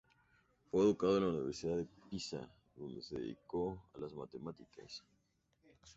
Fue educado en la Universidad de Pisa, donde se dedicó a las matemáticas.